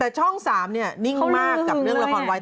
แต่ช่อง๓นิ่งมากกับเรื่องละครวัย